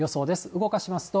動かしますと。